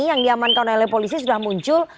yang diaman konele polisi sudah muncul